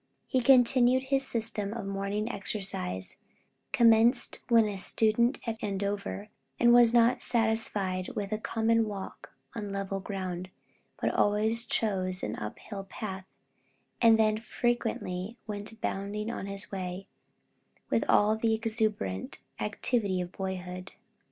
He continued his system of morning exercise, commenced when a student at Andover, and was not satisfied with a common walk on level ground, but always chose an up hill path, and then frequently went bounding on his way, with all the exuberant activity of boyhood.